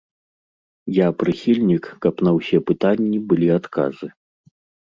Я прыхільнік, каб на ўсе пытанні былі адказы.